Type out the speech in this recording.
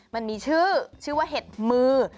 มันมีชื่อชื่อว่าเห็ดมือ